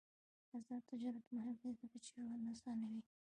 آزاد تجارت مهم دی ځکه چې ژوند اسانوي.